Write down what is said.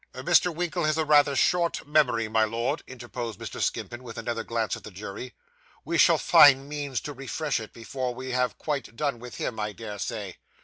'Mr. Winkle has rather a short memory, my Lord,' interposed Mr. Skimpin, with another glance at the jury. 'We shall find means to refresh it before we have quite done with him, I dare say.